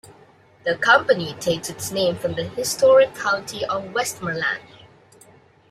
The company takes its name from the historic county of Westmorland.